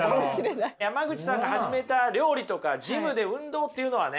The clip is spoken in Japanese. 山口さんが始めた料理とかジムで運動っていうのはね